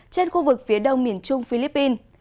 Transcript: trên khu vực phía đông miền trung philippines